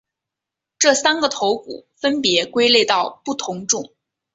这三个头骨分别归类到不同种。